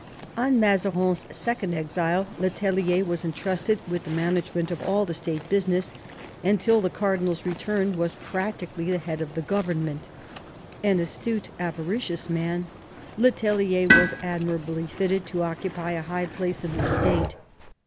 On Mazarin's second exile le Tellier was entrusted with the manage ment of all the State business, and till the cardinal's return was practically the head of the government An astute, avaricious man, le Tellier was admirably fitted to occupy a high place in the State.